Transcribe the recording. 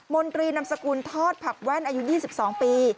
นตรีนำสกุลทอดผักแว่นอายุ๒๒ปี